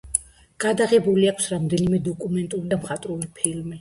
გადაღებული აქვს რამდენიმე დოკუმენტური და მხატვრული ფილმი.